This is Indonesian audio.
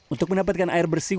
untuk mendapatkan air bersih